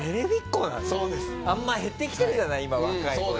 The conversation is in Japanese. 減ってきてるじゃない今若い子で。